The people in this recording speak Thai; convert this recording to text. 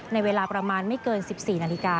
ในเวลาประมาณไม่เกิน๑๔นาฬิกา